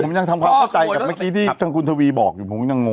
ผมยังทำความเข้าใจกับเมื่อกี้ที่ทางคุณทวีบอกอยู่ผมยังงง